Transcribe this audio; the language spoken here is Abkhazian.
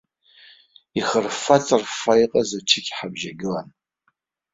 Ихырффа-ҵырффаны иҟаҵаз ачықь ҳабжьагылан.